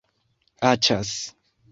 aĉas